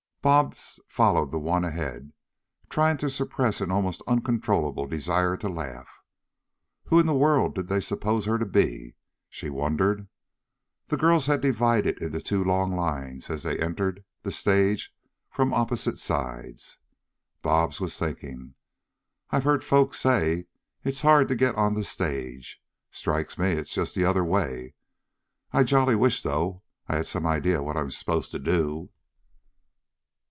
Bobs followed the one ahead, trying to suppress an almost uncontrollable desire to laugh. Who in the world did they suppose her to be? she wondered. The girls had divided into two long lines and they entered the stage from opposite sides. Bobs was thinking, "I've heard folk say it's hard to get on the stage. Strikes me it's just the other way. I jolly wish, though, I had some idea what I'm supposed to do."